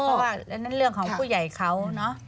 เพราะว่าอันนั้นเรื่องของผู้ใหญ่เขาเนอะ